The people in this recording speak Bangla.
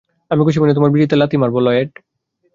আমি খুশি মনে তোমার বিচিতে লাথি মারব, লয়েড।